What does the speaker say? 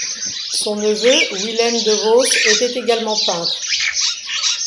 Son neveu Willem de Vos était également peintre.